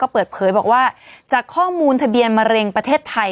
เปิดเผยบอกว่าจากข้อมูลทะเบียนมะเร็งประเทศไทย